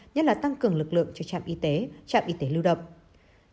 nhất là tăng cường lực lượng cho trạm y tế trạm y tế lưu động